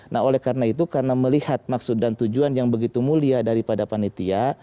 nah oleh karena itu karena melihat maksud dan tujuan yang begitu mulia daripada panitia